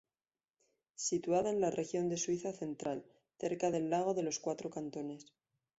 Situada en la región de Suiza central, cerca del lago de los Cuatro Cantones.